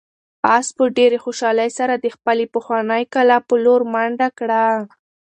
آس په ډېرې خوشحالۍ سره د خپلې پخوانۍ کلا په لور منډه کړه.